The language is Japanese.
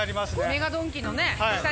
ＭＥＧＡドン・キの下に。